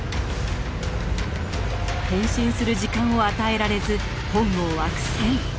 変身する時間を与えられず本郷は苦戦。